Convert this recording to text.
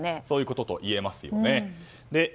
そういうことと言えますよね。